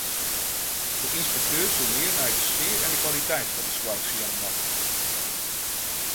De ynspekteur soe mear nei de sfear en kwaliteit fan de soarch sjen moatte.